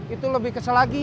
itu lebih kesel lagi